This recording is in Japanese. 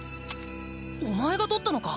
お前が捕ったのか？